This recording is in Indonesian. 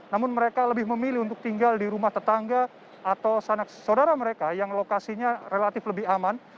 namun mereka lebih memilih untuk tinggal di rumah tetangga atau saudara mereka yang lokasinya relatif lebih aman